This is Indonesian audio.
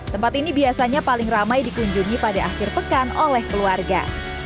tempat ini biasanya paling ramai dikunjungi pada akhir pekan oleh keluarga